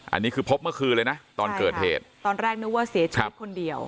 อันนี้คือพบเมื่อคืนเลยนะตอนเกิดเหตุตอนแรกนึกว่าเสียชีวิตคนเดียว